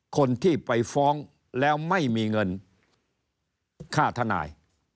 คนที่ไปฟ้องแล้วไม่มีเงินค่าทนาย